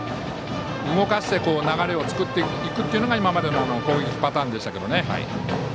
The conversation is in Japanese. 動かして流れを作っていくというのが今までの攻撃のパターンでしたけどね。